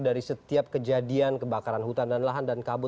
dari setiap kejadian kebakaran hutan dan lahan dan kabel